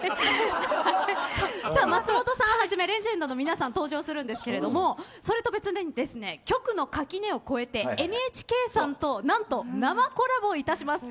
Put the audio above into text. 松本さんをはじめレジェンドの皆さん登場するんですがそれとは別に局の垣根を越えてＮＨＫさんと何と生コラボいたします。